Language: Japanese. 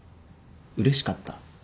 うれしかった？